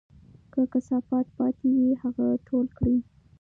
که کثافات پاتې وي، هغه ټول کړئ.